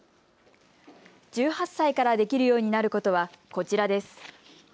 １８歳からできるようになることは、こちらです。